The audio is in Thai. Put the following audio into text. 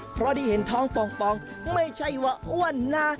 เพราะที่เห็นท้องปองไม่ใช่ว่าอ้วนนะ